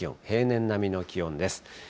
平年並みの気温です。